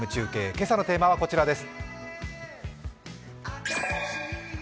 今朝のテーマはこちらです。